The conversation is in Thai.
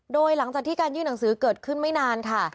โดยหลังจากที่การยื่นหนังสือเกิดขึ้นไม่นานค่ะ